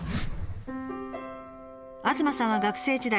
東さんは学生時代